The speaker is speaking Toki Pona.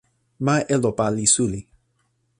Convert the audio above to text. ma Elopa li suli.